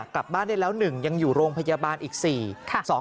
กลับบ้านได้แล้ว๑ยังอยู่โรงพยาบาลอีก๔